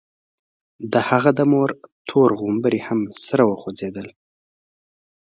د هغه د مور تور غومبري هم سره وخوځېدل.